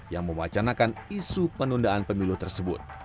yang mewacanakan isu penundaan pemilu tersebut